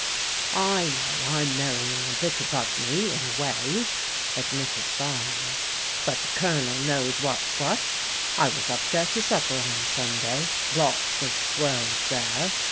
I know I'm marrying a bit above me — ^in a way," ad mitted Barnes, " but the Colonel knows what's what. I was up there to supper on Sunday. Lots of swells there.